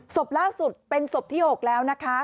ศพล่าสุดเป็นศพที่๖แล้วนะคะ